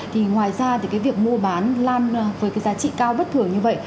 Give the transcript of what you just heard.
thì ngoài ra thì cái việc mua bán lan với cái giá trị cao bất thường như vậy